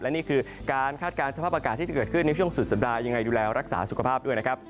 นี่คือการคาดการณ์สภาพอากาศที่จะเกิดขึ้นในช่วงสุดสัปดาห์ยังไงดูแลรักษาสุขภาพด้วยนะครับ